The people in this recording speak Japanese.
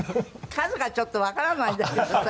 数がちょっとわからないんだけどさ。